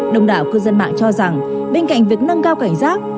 đồng đảo cư dân mạng cho rằng bên cạnh việc nâng cao cảnh giác